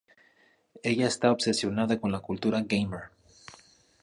Ella está obsesionada con la cultura gamer.